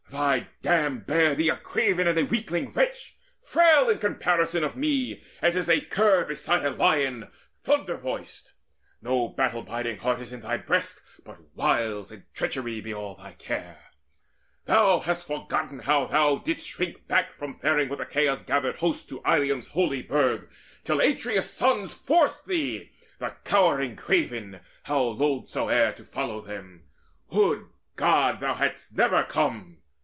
Thy dam Bare thee a craven and a weakling wretch Frail in comparison of me, as is A cur beside a lion thunder voiced! No battle biding heart is in thy breast, But wiles and treachery be all thy care. Hast thou forgotten how thou didst shrink back From faring with Achaea's gathered host To Ilium's holy burg, till Atreus' sons Forced thee, the cowering craven, how loth soe'er, To follow them would God thou hadst never come!